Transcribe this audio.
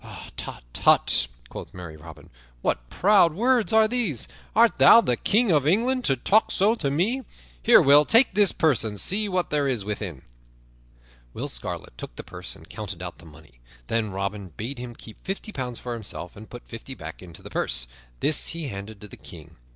"Hut, tut," quoth merry Robin, "what proud words are these? Art thou the King of England, to talk so to me? Here, Will, take this purse and see what there is within." Will Scarlet took the purse and counted out the money. Then Robin bade him keep fifty pounds for themselves, and put fifty back into the purse. This he handed to the King.